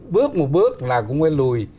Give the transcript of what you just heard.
bước một bước là cũng phải lùi